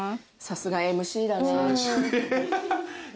さすがＭＣだね。